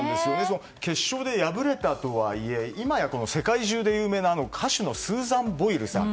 決勝で敗れたとはいえ今や世界中で有名な歌手のスーザン・ボイルさん